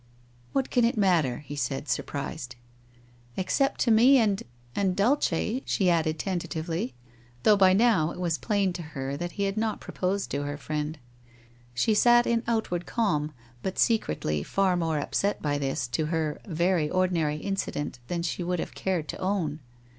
' What can it matter?' he said, surprised. 1 Except to me, and — and Dulce,' she added tentatively, though by now it was plain to her that he had not proposed to her friend. She sat in outward calm, but secretly far more upset by this, to her, very ordinary incident than she would have cared to own.